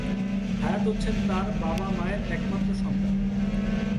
হায়াৎ হচ্ছেন তার বাবা-মায়ের একমাত্র সন্তান।